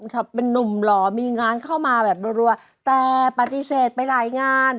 หล่อมีงานเข้ามาแบบรวมแต่ปฏิเสธไปหลายงาน